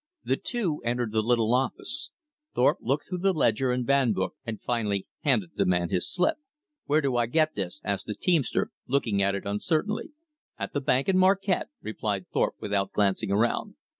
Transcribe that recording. The two entered the little office. Thorpe looked through the ledger and van book, and finally handed the man his slip. "Where do I get this?" asked the teamster, looking at it uncertainly. "At the bank in Marquette," replied Thorpe without glancing around.